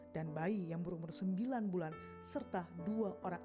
dan bayi yang berumur sembilan bulan serta dua orang asisten rumah tangga